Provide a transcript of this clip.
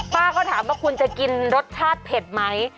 ป้าก็ถามว่าคุณจะกินรสชาติเผ็ดไหม